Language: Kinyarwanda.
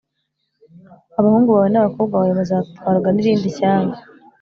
abahungu bawe n’abakobwa bawe bazatwarwa n’irindi shyanga